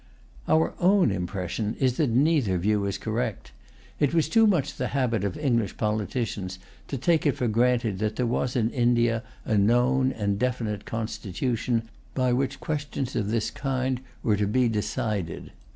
Our own impression is that neither view is correct. It was too much the habit of English politicians to take it for granted that there was in India a known and definite constitution by which questions of this kind were to be decided.